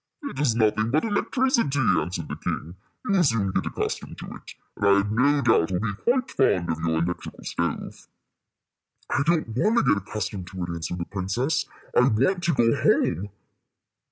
"It is nothing but the electricity," answered the king. "You will soon get accustomed to it, and I have no doubt will be quite fond of your electrical stove." "I don't want to get accustomed to it," answered the princess. "I want to go home."